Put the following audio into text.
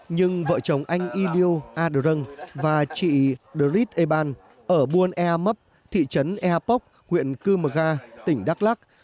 nhưng vợ chồng anh iliu adrung và chị dorit eban ở buôn ea mấp thị trấn ea póc huyện cư mơ ga tỉnh đắk lắc